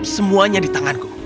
semuanya di tanganku